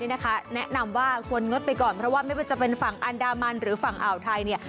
แนะนำว่าควรงดไปก่อนเพราะว่าไม่ว่าจะเป็นฝั่งอันดามันหรือฝั่งอ่าวไทยเนี่ย